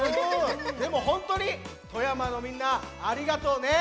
でもほんとうに富山のみんなありがとうね。